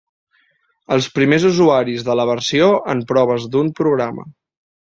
Els primers usuaris de la versió en proves d'un programa.